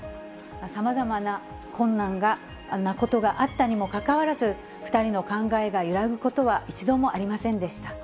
さまざまな困難なことがあったにもかかわらず、２人の考えが揺らぐことは一度もありませんでした。